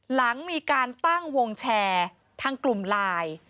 หลังมีการตั้งวงแชร์ทางกลุ่มไลน์